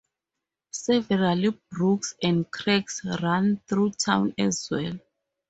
Several brooks and creeks run through town as well.